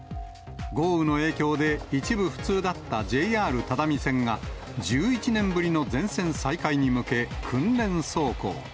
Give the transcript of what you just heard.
豪雨の影響で、一部不通だったＪＲ只見線が、１１年ぶりの全線再開に向け、訓練走行。